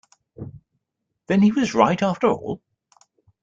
Then he was right after all?